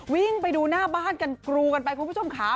วิ่งไปดูหน้าบ้านกันกรูกันไปคุณผู้ชมค่ะ